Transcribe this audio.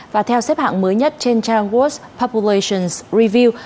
và theo xếp hạng mới nhất trên trang world population review